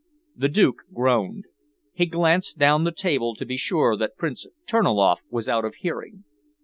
The Duke groaned. He glanced down the table to be sure that Prince Terniloff was out of hearing.